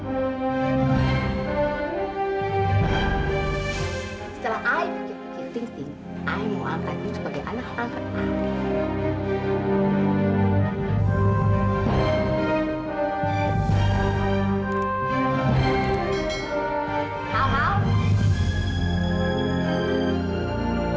setelah ayah bikin bikin bintik ayah mau angkat kamu sebagai anak angkat ayah